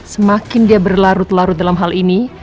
semakin dia berlarut larut dalam hal ini